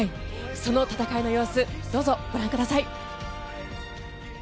その戦いの様子をご覧ください。